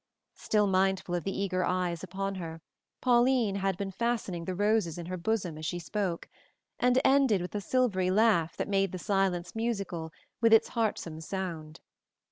Still mindful of the eager eyes upon her, Pauline had been fastening the roses in her bosom as she spoke, and ended with a silvery laugh that made the silence musical with its heartsome sound.